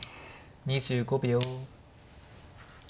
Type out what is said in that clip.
２５秒。